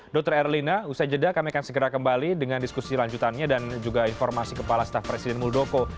dr erlina usai jeda kami akan segera kembali dengan diskusi lanjutannya dan juga informasi kepala staf presiden muldoko